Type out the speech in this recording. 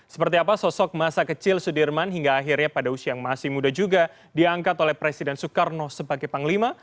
seperti apa sosok masa kecil sudirman hingga akhirnya pada usia yang masih muda juga diangkat oleh presiden soekarno sebagai panglima